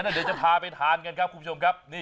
เดี๋ยวจะพาไปทานกันครับคุณผู้ชมครับ